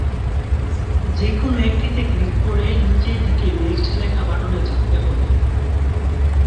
যেকোনো একটিতে ক্লিক করে নিচের দিকে নেক্সট লেখা বাটনে চাপতে হবে।